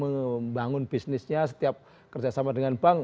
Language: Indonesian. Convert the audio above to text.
membangun bisnisnya setiap kerjasama dengan bank